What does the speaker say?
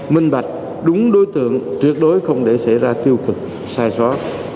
minh bạch đúng đối tượng tuyệt đối không để xảy ra tiêu cực sai sót